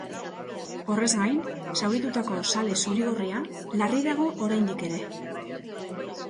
Horrez gain, zauritutako zale zuri-gorria larri dago oraindik ere.